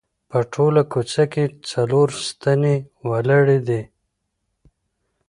په ټوله کوڅه کې څلور ستنې ولاړې دي.